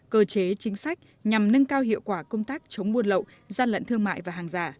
cơ chế chính sách nhằm nâng cao hiệu quả công tác chống buôn lậu gian lận thương mại và hàng giả